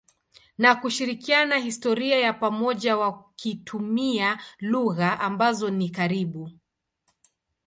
na kushirikiana historia ya pamoja wakitumia lugha ambazo ni karibu.